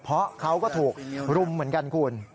เพราะเขาก็ถูกรุมเหมือนกันคุณ